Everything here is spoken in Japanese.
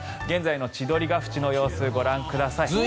現在の千鳥ヶ淵の様子ご覧ください。